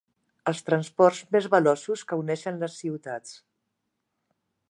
Els transports més veloços que uneixen les ciutats.